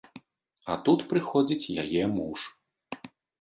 А тут прыходзіць яе муж.